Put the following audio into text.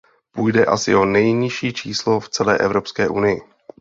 Půjde asi o nejnižší číslo v celé Evropské unii.